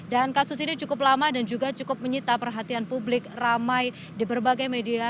dan kasus ini cukup lama dan juga cukup menyita perhatian publik ramai di berbagai media